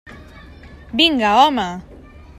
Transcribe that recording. Vinga, home!